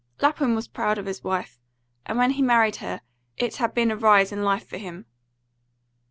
Lapham was proud of his wife, and when he married her it had been a rise in life for him.